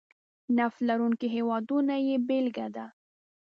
نفت لرونکي هېوادونه یې بېلګه ده.